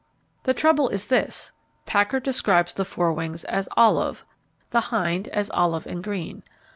The trouble is this: Packard describes the fore wings as 'olive,' the hind as 'olive, and green.'